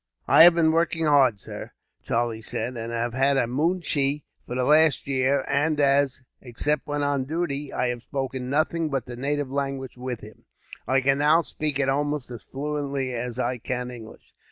"I have been working hard, sir," Charlie said, "and have had a moonshee for the last year; and as, except when on duty, I have spoken nothing but the native language with him, I can now speak it almost as fluently as I can English."